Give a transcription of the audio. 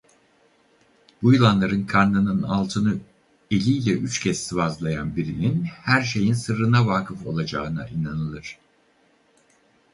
Bu yılanların karnının altını eliyle üç kez sıvazlayan birinin her şeyin sırrına vakıf olacağına inanılır.